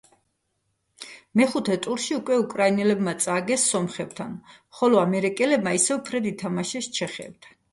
მეხუთე ტურში უკვე უკრაინელებმა წააგეს სომხებთან, ხოლო ამერიკელებმა ისევ ფრედ ითამაშეს ჩეხებთან.